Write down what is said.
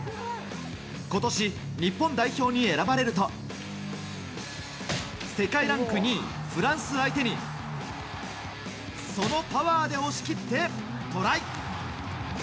今年、日本代表に選ばれると世界ランク２位フランス相手にそのパワーで押し切ってトライ！